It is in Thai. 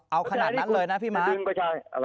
เอาขนาดนั้นเลยนะพี่ม้า